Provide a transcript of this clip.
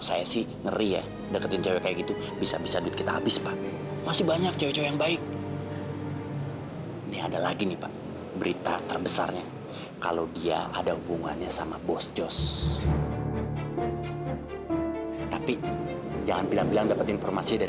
sampai jumpa di video selanjutnya